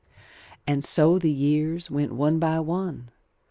And so the years went one by one.